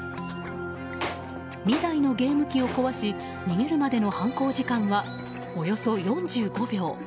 ２台のゲーム機を壊し逃げるまでの犯行時間はおよそ４５秒。